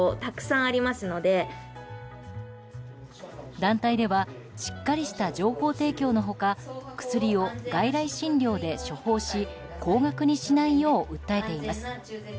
団体ではしっかりとした情報提供の他薬を外来診療で処方し高額にしないよう訴えています。